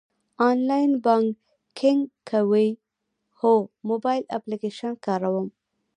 آنلاین بانکینګ کوئ؟ هو، موبایل اپلیکیشن کاروم